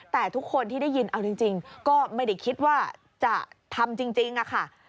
แต่ทุกคนที่ได้ยินเอาจริงก็ไม่ได้คิดว่าจะทำจริงอะค่ะ